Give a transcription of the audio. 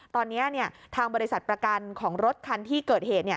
ตอนนี้ทางบริษัทประกันของรถคันที่เกิดเหตุ